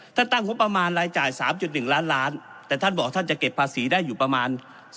ตั้งงบประมาณรายจ่าย๓๑ล้านล้านแต่ท่านบอกท่านจะเก็บภาษีได้อยู่ประมาณ